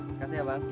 makasih ya bang